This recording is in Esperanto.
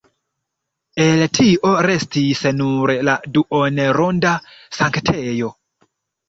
El tio restis nur la duonronda sanktejo.